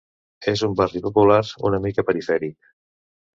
És un barri popular, una mica perifèric.